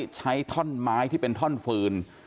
ใช้ถ้อนไม้ที่เป็นถ้อนฝืน